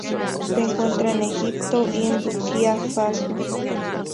Se encuentra en Egipto y en Burkina Faso.